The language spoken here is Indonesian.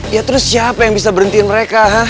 ya terus siapa yang bisa berhentiin mereka